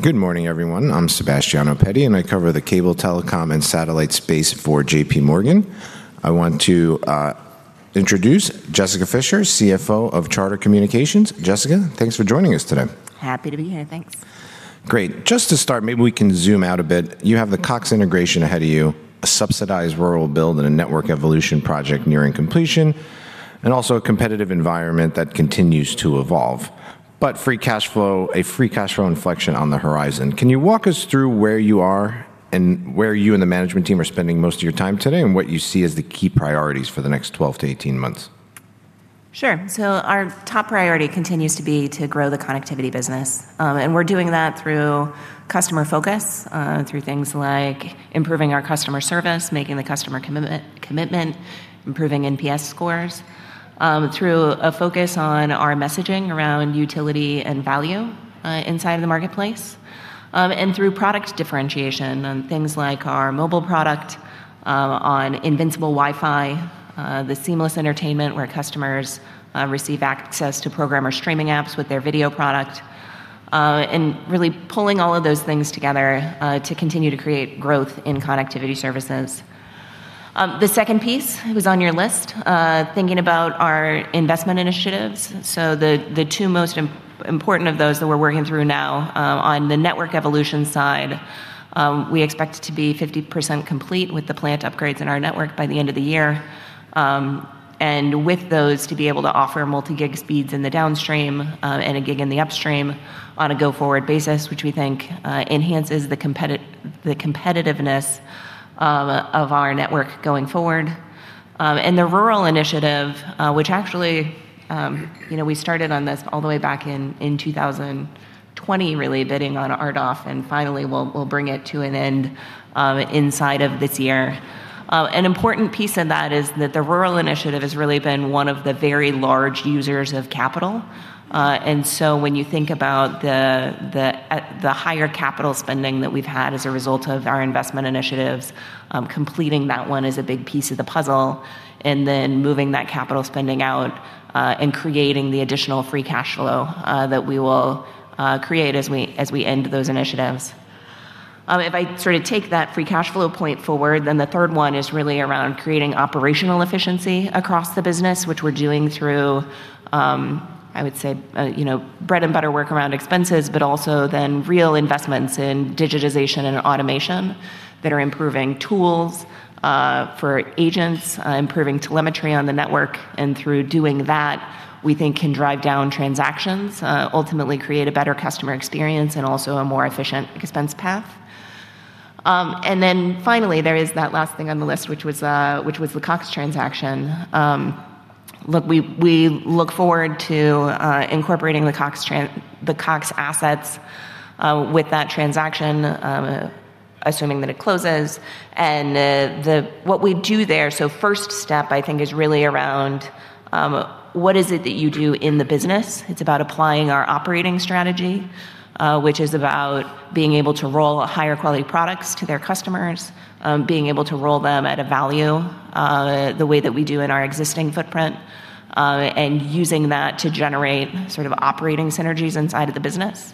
Good morning, everyone. I'm Sebastiano Petti, and I cover the cable telecom and satellite space for JPMorgan. I want to introduce Jessica Fischer, CFO of Charter Communications. Jessica, thanks for joining us today. Happy to be here. Thanks. Great. Just to start, maybe we can zoom out a bit. You have the Cox integration ahead of you, a subsidized rural build and a network evolution project nearing completion, and also a competitive environment that continues to evolve. A free cash flow inflection on the horizon. Can you walk us through where you are and where you and the management team are spending most of your time today, and what you see as the key priorities for the next 12-18 months? Sure. Our top priority continues to be to grow the connectivity business. We're doing that through customer focus, through things like improving our customer service, making the customer commitment, improving NPS scores, through a focus on our messaging around utility and value inside the marketplace, and through product differentiation on things like our mobile product, on Invincible WiFi, The Seamless Entertainment where customers receive access to program or streaming apps with their video product, and really pulling all of those things together to continue to create growth in connectivity services. The second piece was on your list, thinking about our investment initiatives. The two most important of those that we're working through now, on the network evolution side, we expect to be 50% complete with the plant upgrades in our network by the end of the year. With those to be able to offer multi-gig speeds in the downstream, and a gig in the upstream on a go-forward basis, which we think enhances the competitiveness of our network going forward. The rural initiative, which actually, you know, we started on this all the way back in 2020 really bidding on RDOF, and finally we'll bring it to an end inside of this year. An important piece of that is that the rural initiative has really been one of the very large users of capital. When you think about the higher capital spending that we've had as a result of our investment initiatives, completing that one is a big piece of the puzzle, and then moving that capital spending out, and creating the additional free cash flow, that we will create as we end those initiatives. If I sort of take that free cash flow point forward, the third one is really around creating operational efficiency across the business, which we're doing through, I would say, you know, bread and butter work around expenses, but also real investments in digitization and automation that are improving tools, for agents, improving telemetry on the network. Through doing that, we think can drive down transactions, ultimately create a better customer experience and also a more efficient expense path. Then finally, there is that last thing on the list, which was the Cox transaction. Look, we look forward to incorporating the Cox assets with that transaction, assuming that it closes. What we do there, so first step I think is really around what is it that you do in the business? It's about applying our operating strategy, which is about being able to roll higher quality products to their customers, being able to roll them at a value, the way that we do in our existing footprint, and using that to generate sort of operating synergies inside of the business.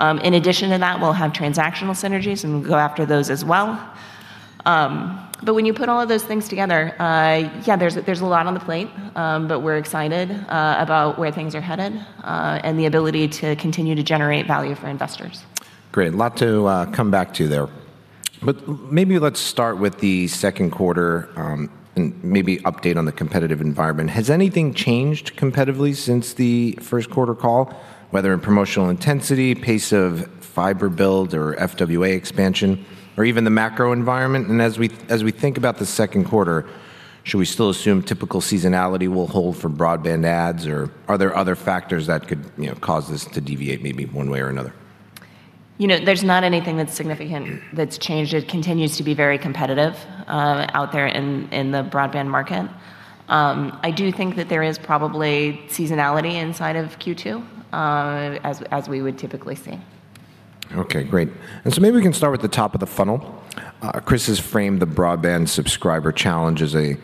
In addition to that, we'll have transactional synergies, and we'll go after those as well. When you put all of those things together, yeah, there's a lot on the plate, but we're excited about where things are headed, and the ability to continue to generate value for investors. Great. A lot to come back to there. Maybe let's start with the Q2 and maybe update on the competitive environment. Has anything changed competitively since the Q1 call, whether in promotional intensity, pace of fiber build or FWA expansion, or even the macro environment? As we think about the Q2, should we still assume typical seasonality will hold for broadband ads, or are there other factors that could, you know, cause this to deviate maybe one way or another? You know, there's not anything that's significant that's changed. It continues to be very competitive out there in the broadband market. I do think that there is probably seasonality inside of Q2 as we would typically see. Okay, great. Maybe we can start with the top of the funnel. Chris has framed the broadband subscriber challenge as a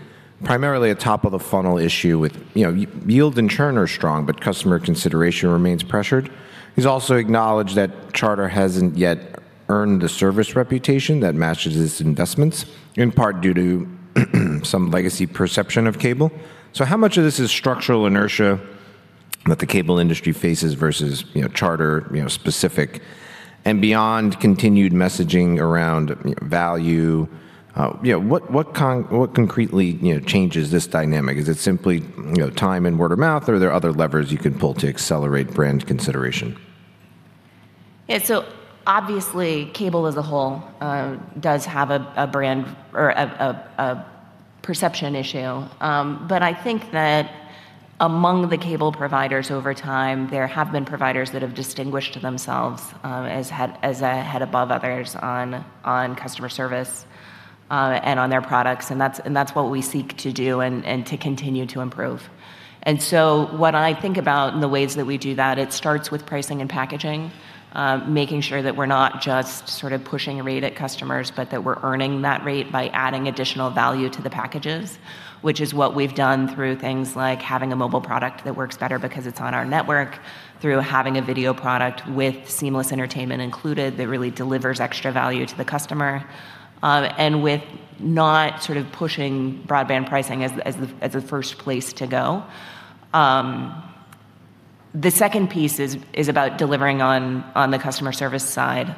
primarily a top of the funnel issue with, you know, yield and churn are strong, but customer consideration remains pressured. He's also acknowledged that Charter hasn't yet earned the service reputation that matches its investments, in part due to some legacy perception of cable. How much of this is structural inertia that the cable industry faces versus, you know, Charter, you know, specific and beyond continued messaging around, you know, value? You know, what concretely, you know, changes this dynamic? Is it simply, you know, time and word of mouth, or are there other levers you can pull to accelerate brand consideration? Yeah. Obviously, cable as a whole does have a brand or a perception issue. I think that among the cable providers over time, there have been providers that have distinguished themselves as a head above others on customer service and on their products, and that's what we seek to do and to continue to improve. What I think about and the ways that we do that, it starts with pricing and packaging, making sure that we're not just sort of pushing a rate at customers, but that we're earning that rate by adding additional value to the packages, which is what we've done through things like having a mobile product that works better because it's on our network, through having a video product with Seamless Entertainment included that really delivers extra value to the customer, and with not sort of pushing broadband pricing as the first place to go. The second piece is about delivering on the customer service side,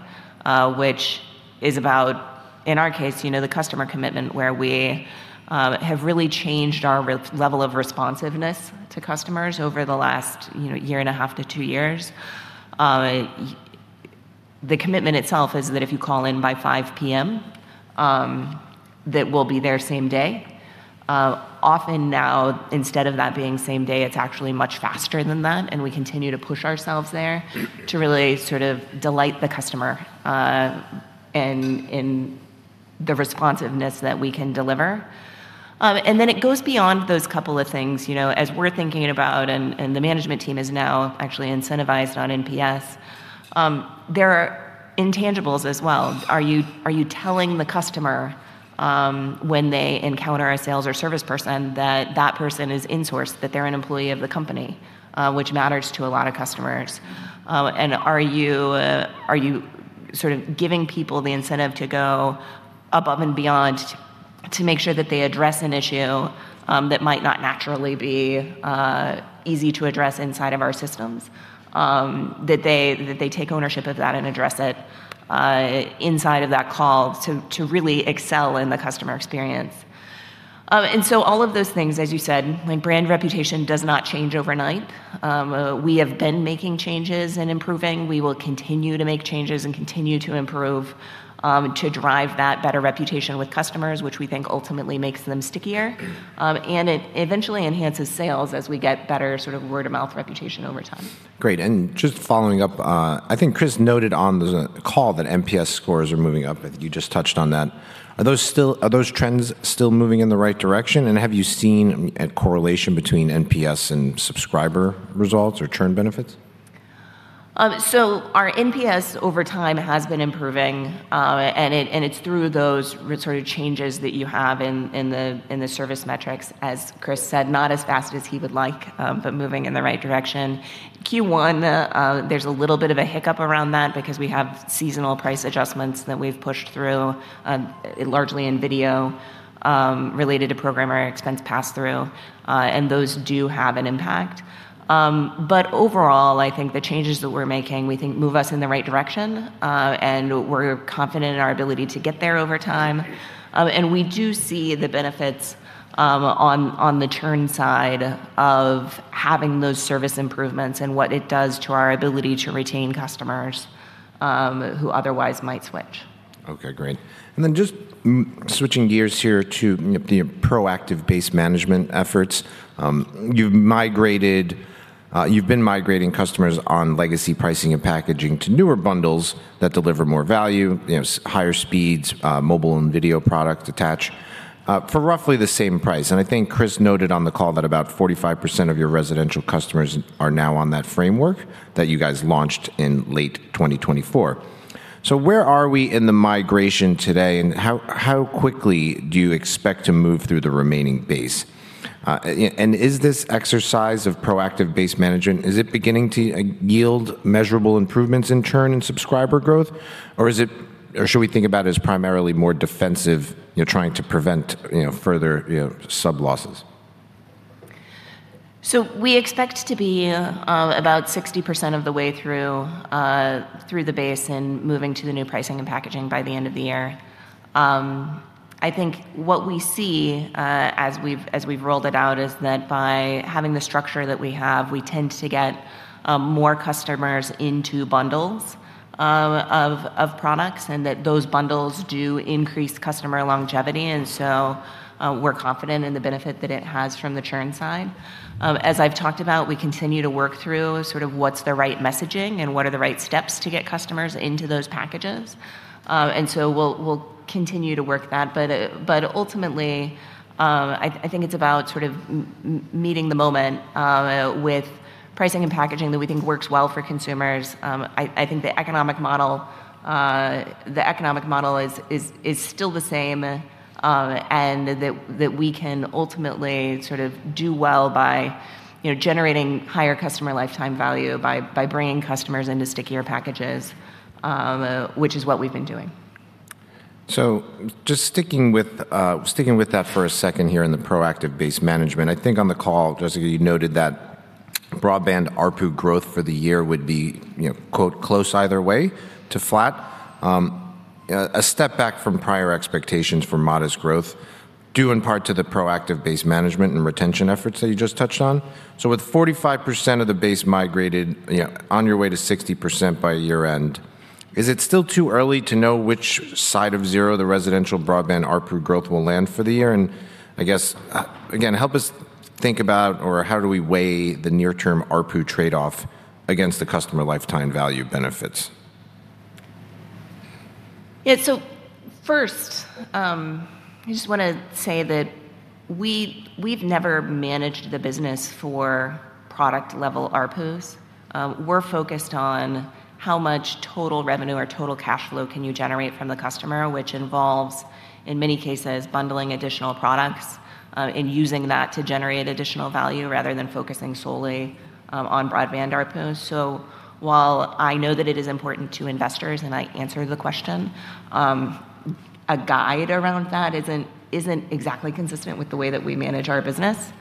which is about, in our case, you know, the customer commitment where we have really changed our level of responsiveness to customers over the last, you know, one and half to two years. The commitment itself is that if you call in by 5:00 P.M., that we'll be there same day. Often now instead of that being same day, it's actually much faster than that, and we continue to push ourselves there to really sort of delight the customer in the responsiveness that we can deliver. It goes beyond those couple of things. You know, as we're thinking about and the management team is now actually incentivized on NPS, there are intangibles as well. Are you telling the customer, when they encounter a sales or service person that that person is insourced, that they're an employee of the company? Which matters to a lot of customers. Are you sort of giving people the incentive to go above and beyond to make sure that they address an issue that might not naturally be easy to address inside of our systems? That they take ownership of that and address it inside of that call to really excel in the customer experience. All of those things, as you said, like brand reputation does not change overnight. We have been making changes and improving. We will continue to make changes and continue to improve to drive that better reputation with customers, which we think ultimately makes them stickier. It eventually enhances sales as we get better sort of word-of-mouth reputation over time. Great. Just following up, I think Chris noted on the call that NPS scores are moving up. I think you just touched on that. Are those trends still moving in the right direction, and have you seen a correlation between NPS and subscriber results or churn benefits? Our NPS over time has been improving, and it's through those sort of changes that you have in the service metrics. As Chris said, not as fast as he would like, but moving in the right direction. Q1, there's a little bit of a hiccup around that because we have seasonal price adjustments that we've pushed through, largely in video, related to programmer expense pass-through, and those do have an impact. Overall, I think the changes that we're making, we think move us in the right direction, and we're confident in our ability to get there over time. And we do see the benefits on the churn side of having those service improvements and what it does to our ability to retain customers, who otherwise might switch. Okay. Great. Just switching gears here to the proactive base management efforts. You've been migrating customers on legacy pricing and packaging to newer bundles that deliver more value, you know, higher speeds, mobile and video product attach, for roughly the same price. I think Chris noted on the call that about 45% of your residential customers are now on that framework that you guys launched in late 2024. Where are we in the migration today, and how quickly do you expect to move through the remaining base? Is this exercise of proactive base management, is it beginning to yield measurable improvements in churn and subscriber growth, or should we think about it as primarily more defensive, you know, trying to prevent, you know, further, you know, sub losses? We expect to be about 60% of the way through the base and moving to the new pricing and packaging by the end of the year. I think what we see as we've rolled it out is that by having the structure that we have, we tend to get more customers into bundles of products, and that those bundles do increase customer longevity. We're confident in the benefit that it has from the churn side. As I've talked about, we continue to work through sort of what's the right messaging and what are the right steps to get customers into those packages. We'll continue to work that. Ultimately, I think it's about sort of meeting the moment with pricing and packaging that we think works well for consumers. I think the economic model, the economic model is still the same, and that we can ultimately sort of do well by, you know, generating higher customer lifetime value by bringing customers into stickier packages, which is what we've been doing. Just sticking with, sticking with that for a second here in the proactive base management. I think on the call, Jessica, you noted that broadband ARPU growth for the year would be, you know, quote, "close either way to flat." A step back from prior expectations for modest growth due in part to the proactive base management and retention efforts that you just touched on. With 45% of the base migrated, you know, on your way to 60% by year-end, is it still too early to know which side of zero the residential broadband ARPU growth will land for the year? I guess, again, help us think about or how do we weigh the near term ARPU trade-off against the customer lifetime value benefits? Yeah. First, I just wanna say that we've never managed the business for product level ARPUs. We're focused on how much total revenue or total cash flow can you generate from the customer, which involves, in many cases, bundling additional products and using that to generate additional value rather than focusing solely on broadband ARPUs. While I know that it is important to investors, and I answer the question, a guide around that isn't exactly consistent with the way that we manage our business.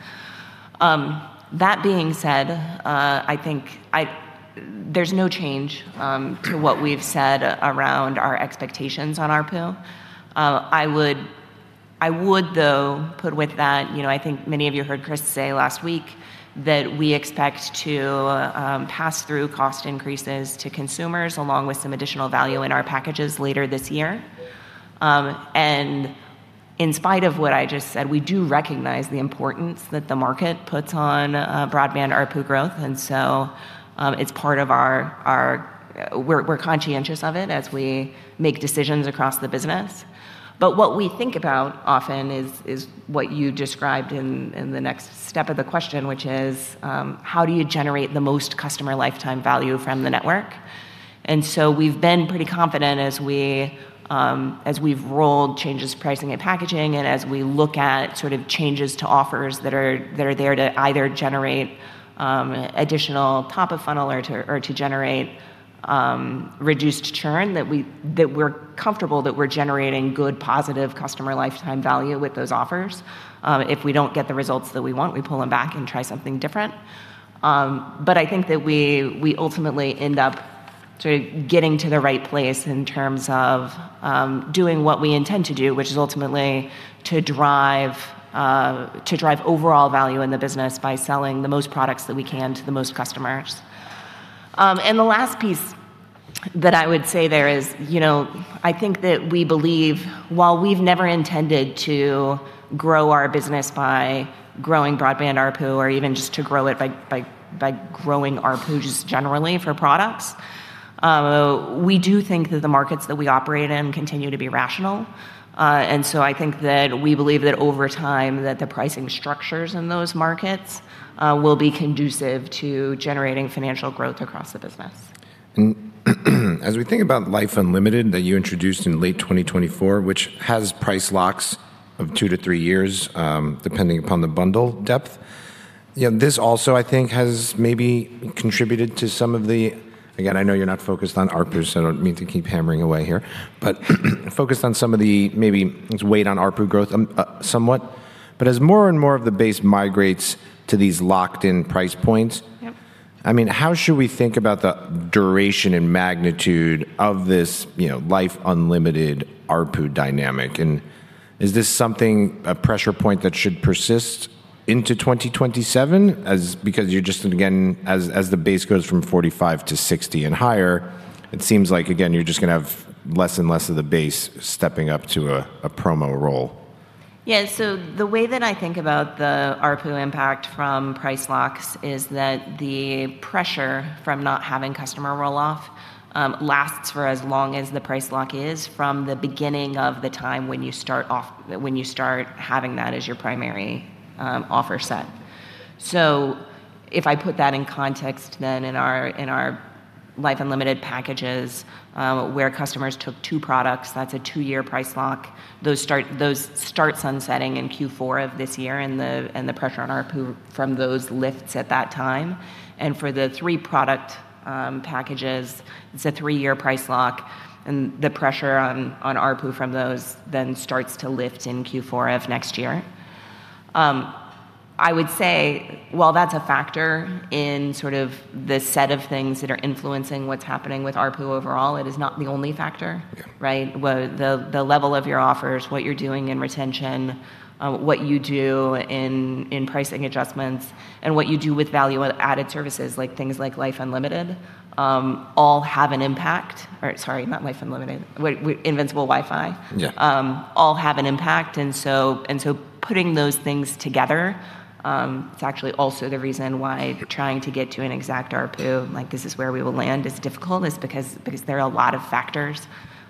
That being said, I think there's no change to what we've said around our expectations on ARPU. I would though put with that, you know, I think many of you heard Chris say last week that we expect to pass through cost increases to consumers, along with some additional value in our packages later this year. In spite of what I just said, we do recognize the importance that the market puts on broadband ARPU growth. We're conscientious of it as we make decisions across the business. What we think about often is what you described in the next step of the question, which is how do you generate the most customer lifetime value from the network? We've been pretty confident as we as we've rolled changes to pricing and packaging and as we look at sort of changes to offers that are, that are there to either generate additional top of funnel or to, or to generate reduced churn that we're comfortable that we're generating good positive customer lifetime value with those offers. If we don't get the results that we want, we pull them back and try something different. I think that we ultimately end up sort of getting to the right place in terms of doing what we intend to do, which is ultimately to drive overall value in the business by selling the most products that we can to the most customers. The last piece that I would say there is, you know, I think that we believe while we've never intended to grow our business by growing broadband ARPU or even just to grow it by growing ARPU just generally for products, we do think that the markets that we operate in continue to be rational. I think that we believe that over time, that the pricing structures in those markets, will be conducive to generating financial growth across the business. As we think about Life Unlimited that you introduced in late 2024, which has price locks of two to three years, depending upon the bundle depth, you know. Again, I know you're not focused on ARPUs, so I don't mean to keep hammering away here. Focused on some of the maybe weight on ARPU growth, somewhat. As more and more of the base migrates to these locked-in price points. Yep. I mean, how should we think about the duration and magnitude of this, you know, Life Unlimited ARPU dynamic? Is this something, a pressure point that should persist into 2027? Because you're just, again, as the base goes from 45 to 60 and higher, it seems like, again, you're just gonna have less and less of the base stepping up to a promo role. The way that I think about the ARPU impact from price locks is that the pressure from not having customer roll-off lasts for as long as the price lock is from the beginning of the time when you start having that as your primary offer set. If I put that in context in our Life Unlimited packages, where customers took two products, that's a two-year price lock. Those start sunsetting in Q4 of this year, and the pressure on ARPU from those lifts at that time. For the three product packages, it's a three-year price lock, and the pressure on ARPU from those starts to lift in Q4 of next year. I would say while that's a factor in sort of the set of things that are influencing what's happening with ARPU overall, it is not the only factor. Yeah. Right? The level of your offers, what you're doing in retention, what you do in pricing adjustments, and what you do with value-added services, like things like Life Unlimited, all have an impact. Sorry, not Life Unlimited. Wait. Invincible WiFi. Yeah. All have an impact. Putting those things together, it's actually also the reason why trying to get to an exact ARPU, like this is where we will land, is difficult, because there are a lot of factors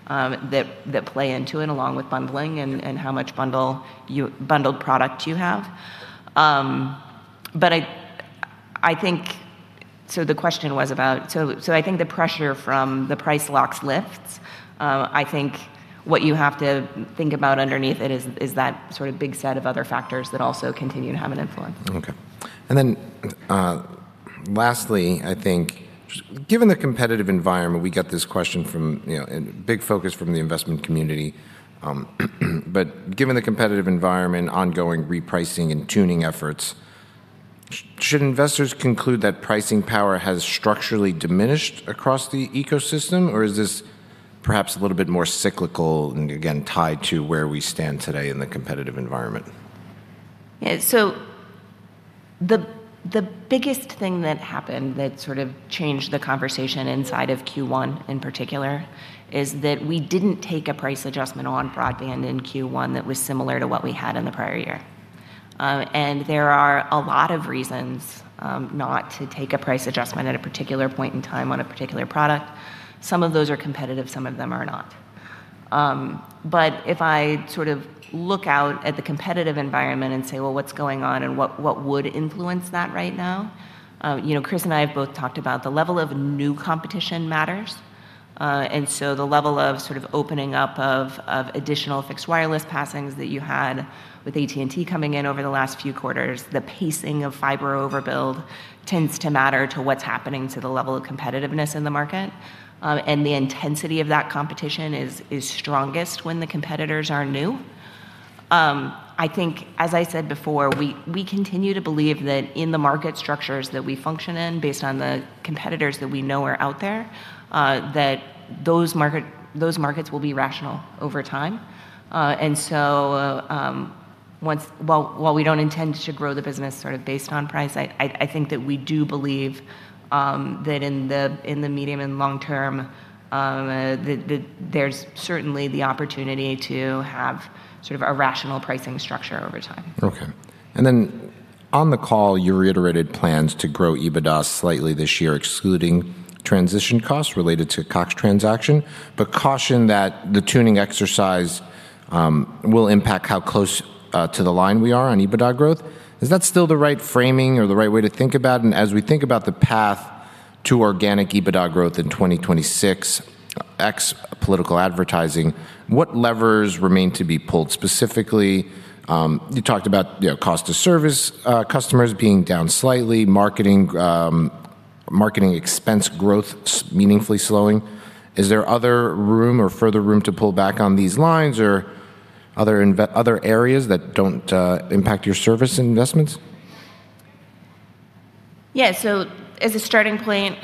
that play into it, along with bundling and how much bundled product you have. I think. The question was about. I think the pressure from the price locks lifts. I think what you have to think about underneath it is that sort of big set of other factors that also continue to have an influence. Okay. Lastly, I think given the competitive environment, we get this question from, you know, and big focus from the investment community. Given the competitive environment, ongoing repricing and tuning efforts, should investors conclude that pricing power has structurally diminished across the ecosystem? Is this perhaps a little bit more cyclical and again, tied to where we stand today in the competitive environment? The, the biggest thing that happened that sort of changed the conversation inside of Q1 in particular, is that we didn't take a price adjustment on broadband in Q1 that was similar to what we had in the prior year. There are a lot of reasons not to take a price adjustment at a particular point in time on a particular product. Some of those are competitive, some of them are not. If I sort of look out at the competitive environment and say, "Well, what's going on and what would influence that right now?" You know, Chris and I have both talked about the level of new competition matters. The level of sort of opening up of additional fixed wireless passings that you had with AT&T coming in over the last few quarters. The pacing of fiber overbuild tends to matter to what's happening to the level of competitiveness in the market. The intensity of that competition is strongest when the competitors are new. I think as I said before, we continue to believe that in the market structures that we function in based on the competitors that we know are out there, that those markets will be rational over time. While we don't intend to grow the business sort of based on price, I think that we do believe that in the medium and long term, there's certainly the opportunity to have sort of a rational pricing structure over time. Okay. Then on the call, you reiterated plans to grow EBITDA slightly this year, excluding transition costs related to Cox transaction, but cautioned that the tuning exercise will impact how close to the line we are on EBITDA growth. Is that still the right framing or the right way to think about? As we think about the path to organic EBITDA growth in 2026, ex-political advertising, what levers remain to be pulled specifically? You talked about, you know, cost to service customers being down slightly, marketing expense growth meaningfully slowing. Is there other room or further room to pull back on these lines or other areas that don't impact your service investments? Yeah. As a starting point,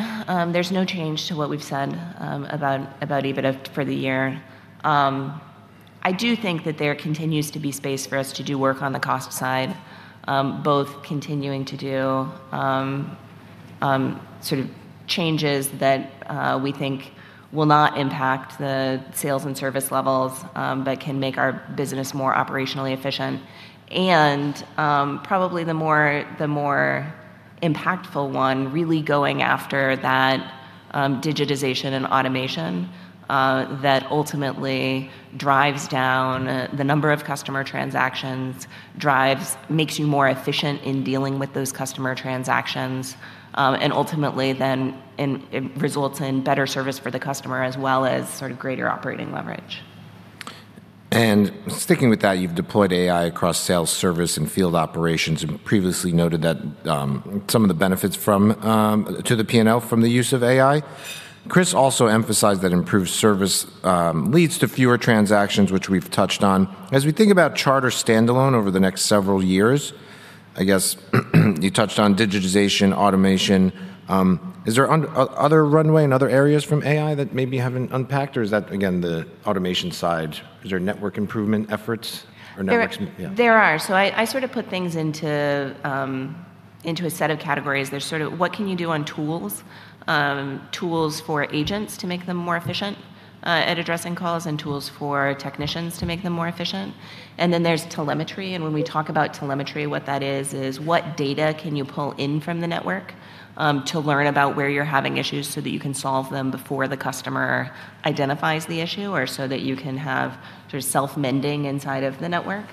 there's no change to what we've said about EBITDA for the year. I do think that there continues to be space for us to do work on the cost side, both continuing to do sort of changes that we think will not impact the sales and service levels, but can make our business more operationally efficient. Probably the more impactful one really going after that digitization and automation that ultimately drives down the number of customer transactions, makes you more efficient in dealing with those customer transactions, and ultimately it results in better service for the customer as well as sort of greater operating leverage. Sticking with that, you've deployed AI across sales, service, and field operations, and previously noted that some of the benefits from to the P&L from the use of AI. Chris also emphasized that improved service leads to fewer transactions, which we've touched on. As we think about Charter standalone over the next several years, I guess, you touched on digitization, automation. Is there other runway and other areas from AI that maybe you haven't unpacked, or is that again, the automation side? Is there network improvement efforts or networks. There, Yeah. There are. I sort of put things into a set of categories. There's sort of what can you do on tools for agents to make them more efficient at addressing calls and tools for technicians to make them more efficient. There's telemetry, and when we talk about telemetry, what that is what data can you pull in from the network to learn about where you're having issues so that you can solve them before the customer identifies the issue or so that you can have sort of self-mending inside of the network.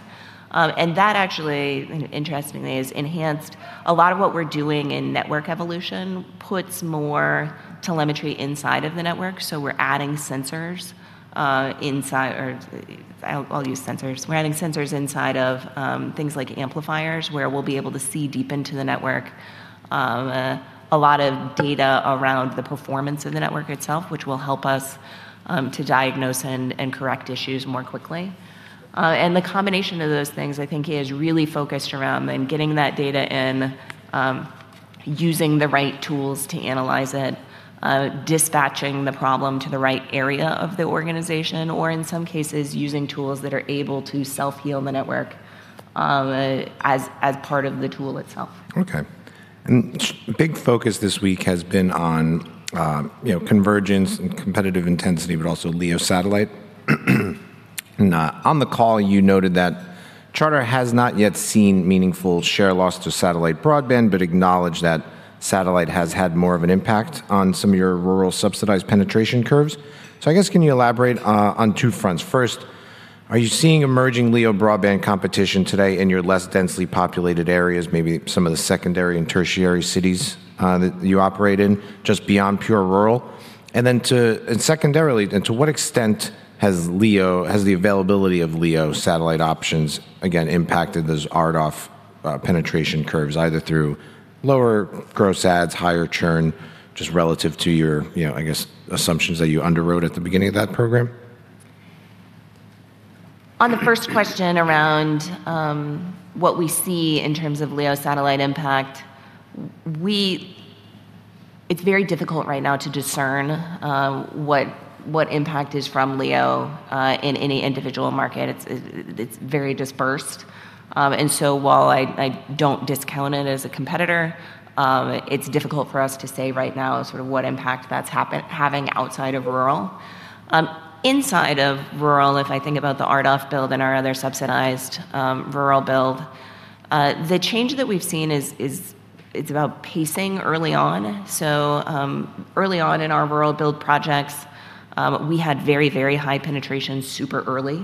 That actually, interestingly, is enhanced. A lot of what we're doing in network evolution puts more telemetry inside of the network, so we're adding sensors inside or I'll use sensors. We're adding sensors inside of things like amplifiers, where we'll be able to see deep into the network, a lot of data around the performance of the network itself, which will help us to diagnose and correct issues more quickly. The combination of those things, I think, is really focused around then getting that data in, using the right tools to analyze it, dispatching the problem to the right area of the organization, or in some cases, using tools that are able to self-heal the network as part of the tool itself. Okay. Big focus this week has been on, you know, convergence and competitive intensity, but also LEO satellite. On the call, you noted that Charter has not yet seen meaningful share loss to satellite broadband, but acknowledged that satellite has had more of an impact on some of your rural subsidized penetration curves. I guess, can you elaborate on two fronts? First, are you seeing emerging LEO broadband competition today in your less densely populated areas, maybe some of the secondary and tertiary cities that you operate in just beyond pure rural? Secondarily, to what extent has the availability of LEO satellite options, again, impacted those RDOF penetration curves, either through lower gross adds, higher churn, just relative to your, you know, I guess, assumptions that you underwrote at the beginning of that program? On the first question around what we see in terms of LEO satellite impact, it's very difficult right now to discern what impact is from LEO in any individual market. It's very dispersed. While I don't discount it as a competitor, it's difficult for us to say right now sort of what impact that's having outside of rural. Inside of rural, if I think about the RDOF build and our other subsidized rural build, the change that we've seen is it's about pacing early on. Early on in our rural build projects, we had very high penetration super early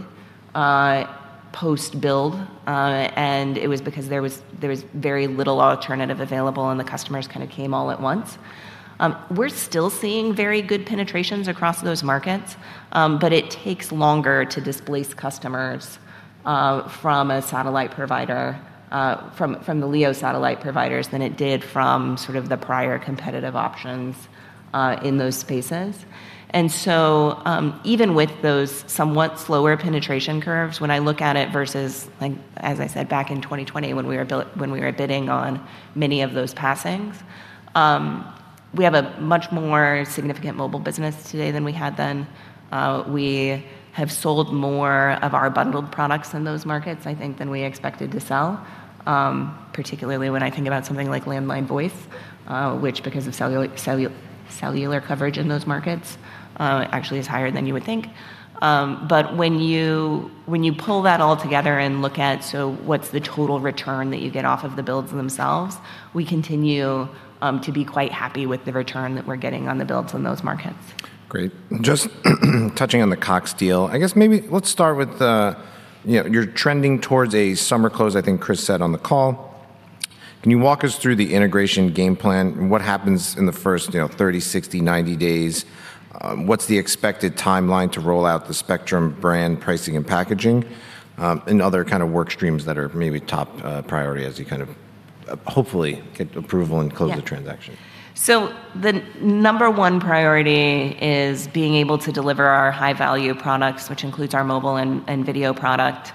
post-build. It was because there was very little alternative available, and the customers kind of came all at once. We're still seeing very good penetrations across those markets, but it takes longer to displace customers from a satellite provider from the LEO satellite providers than it did from sort of the prior competitive options in those spaces. Even with those somewhat slower penetration curves, when I look at it versus, like, as I said, back in 2020 when we were bidding on many of those passings, we have a much more significant mobile business today than we had then. We have sold more of our bundled products in those markets, I think, than we expected to sell, particularly when I think about something like landline voice, which because of cellular coverage in those markets, actually is higher than you would think. When you pull that all together and look at so what's the total return that you get off of the builds themselves, we continue to be quite happy with the return that we're getting on the builds in those markets. Great. Just touching on the Cox deal, I guess maybe let's start with the, you know, you're trending towards a summer close, I think Chris said on the call. Can you walk us through the integration game plan? What happens in the first, you know, 30, 60, 90 days? What's the expected timeline to roll out the Spectrum brand pricing and packaging, and other kind of work streams that are maybe top priority as you kind of hopefully get approval and close. Yeah The transaction? The number one priority is being able to deliver our high-value products, which includes our mobile and video product,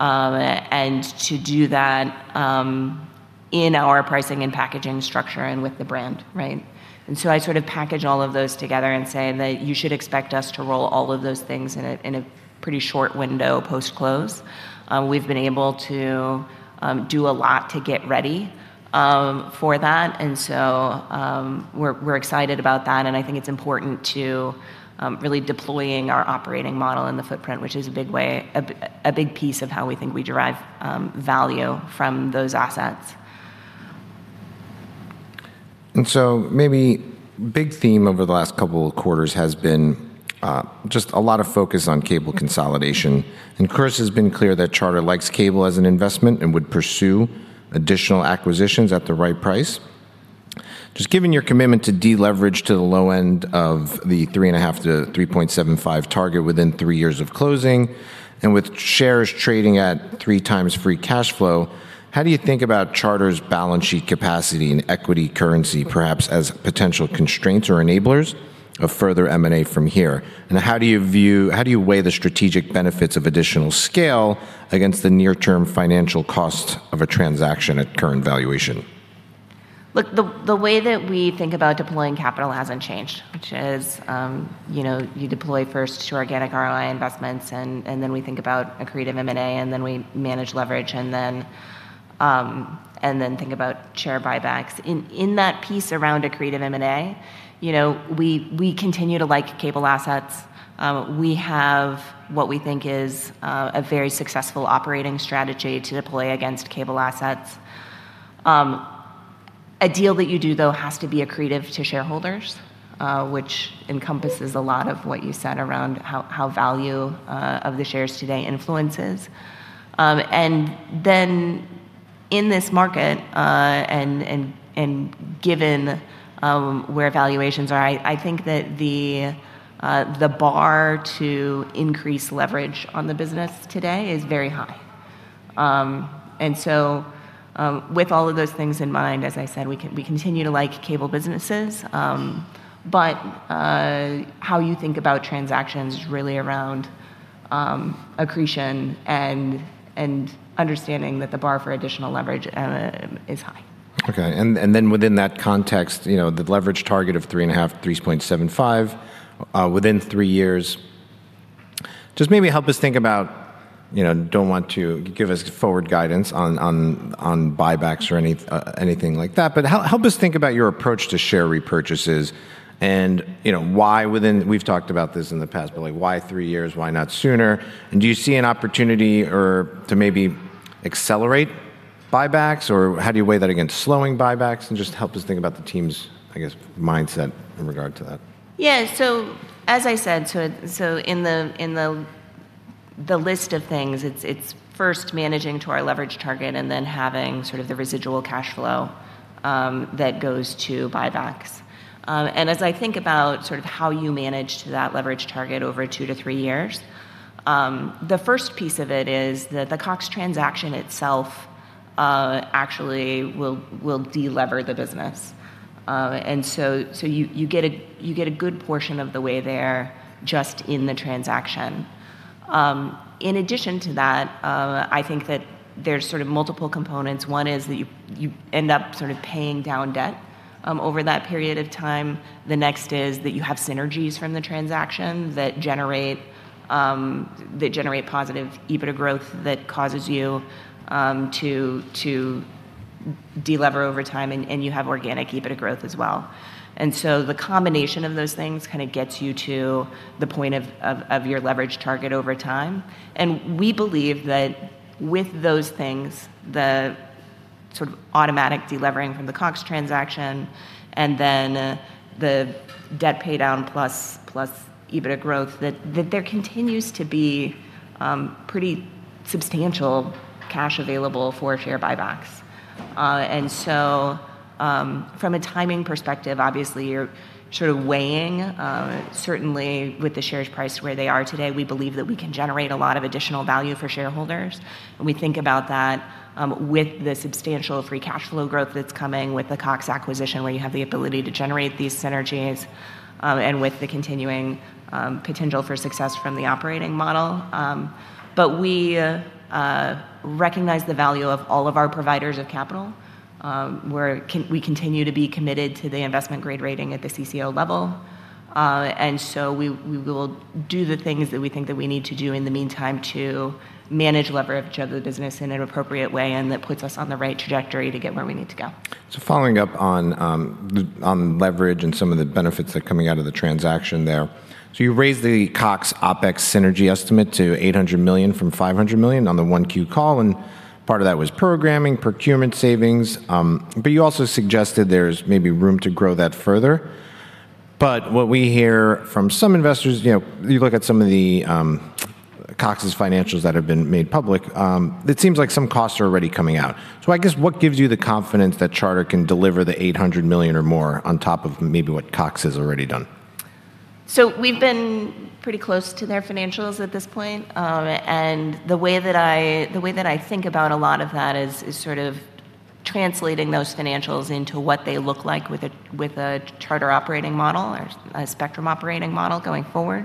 and to do that in our pricing and packaging structure and with the brand, right? I sort of package all of those together and say that you should expect us to roll all of those things in a pretty short window post-close. We've been able to do a lot to get ready for that, we're excited about that, and I think it's important to really deploying our operating model in the footprint, which is a big way, a big piece of how we think we derive value from those assets. Maybe big theme over the last couple of quarters has been just a lot of focus on cable consolidation. Chris has been clear that Charter likes cable as an investment and would pursue additional acquisitions at the right price. Just given your commitment to deleverage to the low end of the 3.5-3.75 target within three years of closing, and with shares trading at 3x free cash flow, How do you think about Charter's balance sheet capacity and equity currency perhaps as potential constraints or enablers of further M&A from here? How do you weigh the strategic benefits of additional scale against the near-term financial cost of a transaction at current valuation? Look, the way that we think about deploying capital hasn't changed, which is, you know, you deploy first to organic ROI investments and then we think about accretive M&A, and then we manage leverage and then, and then think about share buybacks. In that piece around accretive M&A, you know, we continue to like cable assets. We have what we think is a very successful operating strategy to deploy against cable assets. A deal that you do, though, has to be accretive to shareholders, which encompasses a lot of what you said around how value of the shares today influences. Then in this market, and given where valuations are, I think that the bar to increase leverage on the business today is very high. With all of those things in mind, as I said, we continue to like cable businesses. How you think about transactions really around accretion and understanding that the bar for additional leverage is high. Okay. Then within that context, you know, the leverage target of 3.5, 3.75 within three years, just maybe help us think about, you know, don't want to give us forward guidance on buybacks or anything like that, but help us think about your approach to share repurchases and, you know, why within We've talked about this in the past, but, like, why three years? Why not sooner? Do you see an opportunity or to maybe accelerate buybacks, or how do you weigh that against slowing buybacks? Just help us think about the team's, I guess, mindset in regard to that. As I said, so in the list of things, it's first managing to our leverage target and then having sort of the residual cash flow that goes to buybacks. As I think about sort of how you manage to that leverage target over two to three years, the first piece of it is that the Cox transaction itself actually will de-lever the business. So you get a good portion of the way there just in the transaction. In addition to that, I think that there's sort of multiple components. One is that you end up sort of paying down debt over that period of time. The next is that you have synergies from the transaction that generate positive EBITDA growth that causes you to de-lever over time, and you have organic EBITDA growth as well. The combination of those things kind of gets you to the point of your leverage target over time. We believe that with those things, the sort of automatic de-levering from the Cox transaction and then the debt paydown plus EBITDA growth, that there continues to be pretty substantial cash available for share buybacks. From a timing perspective, obviously you're sort of weighing, certainly with the shares price where they are today, we believe that we can generate a lot of additional value for shareholders. We think about that, with the substantial free cash flow growth that's coming with the Cox acquisition, where you have the ability to generate these synergies, and with the continuing potential for success from the operating model. We recognize the value of all of our providers of capital, where we continue to be committed to the investment grade rating at the CCO level. We, we will do the things that we think that we need to do in the meantime to manage leverage of the business in an appropriate way, and that puts us on the right trajectory to get where we need to go. Following up on leverage and some of the benefits that are coming out of the transaction there. You raised the Cox OpEx synergy estimate to $800 million from $500 million on the 1 Q call, and part of that was programming, procurement savings, you also suggested there's maybe room to grow that further. What we hear from some investors, you know, you look at some of the Cox's financials that have been made public, it seems like some costs are already coming out. I guess what gives you the confidence that Charter can deliver the $800 million or more on top of maybe what Cox has already done? We've been pretty close to their financials at this point. The way that I think about a lot of that is sort of translating those financials into what they look like with a, with a Charter operating model or a Spectrum operating model going forward.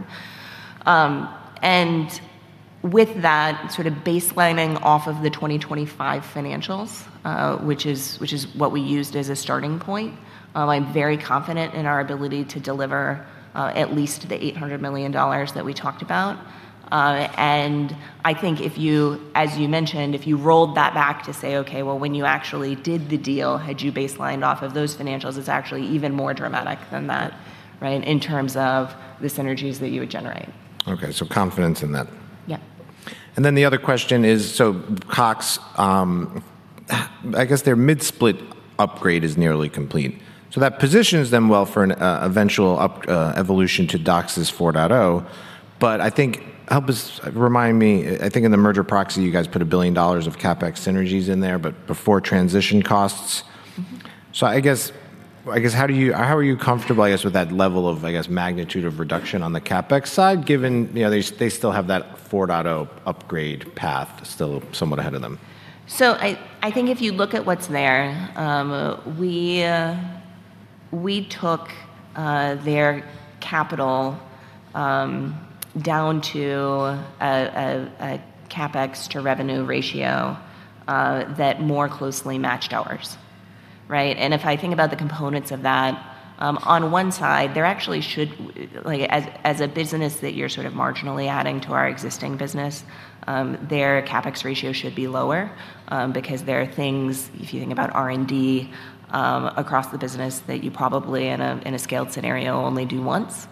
With that sort of baselining off of the 2025 financials, which is what we used as a starting point, I'm very confident in our ability to deliver at least the $800 million that we talked about. I think if you, as you mentioned, if you rolled that back to say, okay, well, when you actually did the deal, had you baselined off of those financials, it's actually even more dramatic than that, right, in terms of the synergies that you would generate. Okay, confidence in that. Yeah. The other question is, Cox, I guess their mid-split upgrade is nearly complete. That positions them well for an eventual evolution to DOCSIS 4.0. I think remind me, I think in the merger proxy, you guys put $1 billion of CapEx synergies in there, but before transition costs. I guess how are you comfortable, I guess, with that level of, I guess, magnitude of reduction on the CapEx side given, you know, they still have that 4.0 upgrade path still somewhat ahead of them? I think if you look at what's there, we took their capital down to a CapEx to revenue ratio that more closely matched ours, right? If I think about the components of that, on one side, there actually should, like, as a business that you're sort of marginally adding to our existing business, their CapEx ratio should be lower, because there are things, if you think about R&D across the business that you probably in a scaled scenario only do once.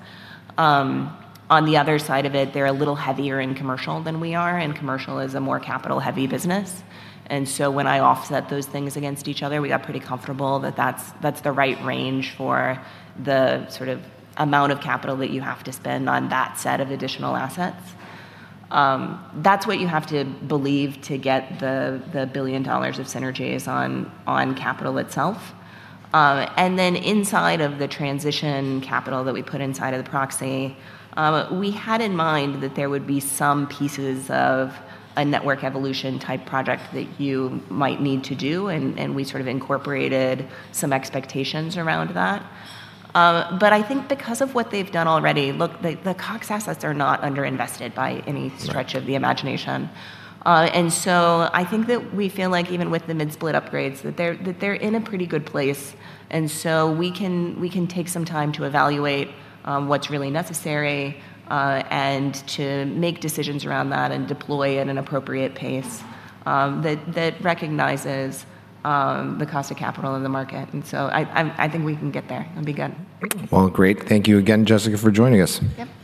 On the other side of it, they're a little heavier in commercial than we are, and commercial is a more capital-heavy business. When I offset those things against each other, we got pretty comfortable that's the right range for the sort of amount of capital that you have to spend on that set of additional assets. That's what you have to believe to get the $1 billion of synergies on capital itself. Inside of the transition capital that we put inside of the proxy, we had in mind that there would be some pieces of a network evolution type project that you might need to do, and we sort of incorporated some expectations around that. I think because of what they've done already, look, the Cox assets are not underinvested by any stretch. Right of the imagination. I think that we feel like even with the mid-split upgrades, that they're in a pretty good place. We can take some time to evaluate what's really necessary and to make decisions around that and deploy at an appropriate pace that recognizes the cost of capital in the market. I think we can get there and be good. Well, great. Thank you again, Jessica, for joining us. Yep.